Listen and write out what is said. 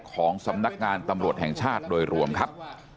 ของสำนักงานตำรวจแห่งชาติโดยรวมครับ